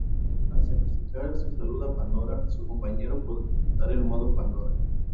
Al sacrificar su salud a Pandora, su compañero podrá adoptar el modo Pandora.